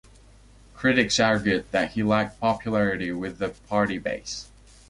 Critics argued that he lacked popularity with the party base.